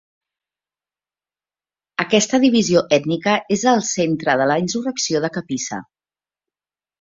Aquesta divisió ètnica és al centre de la insurrecció de Kapisa.